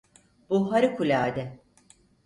Bu harikulade.